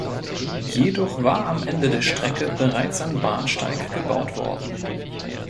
Jedoch war am Ende der Strecke bereits ein Bahnsteig gebaut worden.